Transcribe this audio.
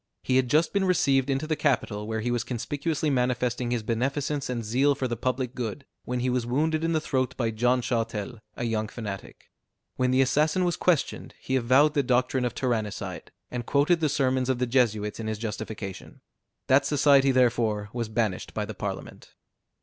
He had just been received into the capital, where he was conspicuously manifesting his beneficence and zeal for the public good, when he was wounded in the throat by John Châtel, a young fanatic. When the assassin was questioned, he avowed the doctrine of tyrannicide, and quoted the sermons of the Jesuits in his justification. That society therefore was banished by the Parliament.